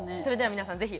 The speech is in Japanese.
それでは皆さん